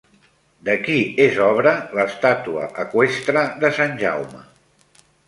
De qui és obra l'estàtua eqüestre de Sant Jaume?